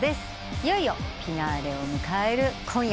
いよいよフィナーレを迎える今夜。